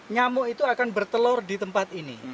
nyamuk itu akan bertelur di tempat ini